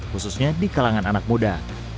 khususnya di kalangan anak muda